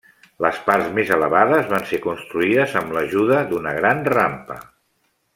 Les parts més elevades van ser construïdes amb l'ajuda d'una gran rampa.